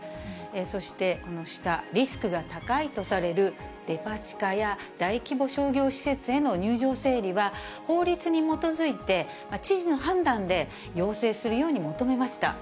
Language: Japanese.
そしてこの下、リスクが高いとされるデパ地下や大規模商業施設への入場整理は法律に基づいて、知事の判断で要請するように求めました。